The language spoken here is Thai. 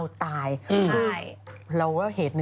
สวัสดีค่ะ